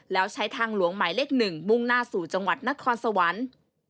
แล้วใช้ทางหลวงหมายเลข๑มุ่งหน้าสู่จังหวัดนครสวรรค์